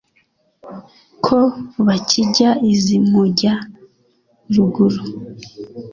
ko bakijya iz’i mujya-ruguru